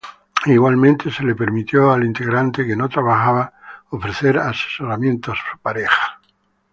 Igualmente se le permitió al integrante que no trabajaba ofrecer asesoramiento a su pareja.